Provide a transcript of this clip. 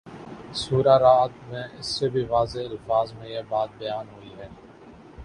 سورۂ رعد میں اس سے بھی واضح الفاظ میں یہ بات بیان ہوئی ہے